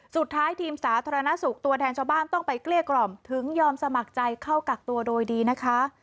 สุดท้ายทีมสาธารณสุขตัวแทนชาวบ้านต้องไปเกลี้ยกล่อมถึงยอมสมัครใจเข้ากักตัวโดยดีนะคะ